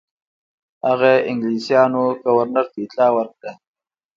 هغه انګلیسیانو ګورنر ته اطلاع ورکړه.